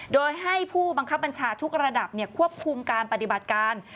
โดยให้ผู้บังคับบัญชาทุกระดับควบคุมการปฏิบัติการ